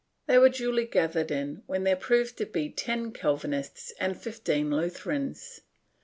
They were duly gathered in when there proved to be ten Calvinists and fifteen Lutherans.